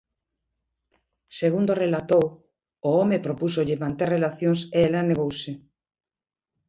Segundo relatou, o home propúxolle manter relacións e ela negouse.